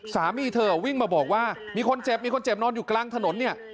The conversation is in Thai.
สามีเธอวิ่งมาบอกว่ามีคนเจ็บมีคนเจ็บนอนอยู่กลางถนนเนี่ย